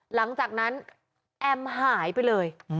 หลังจากนั้นแอมหายไปเลย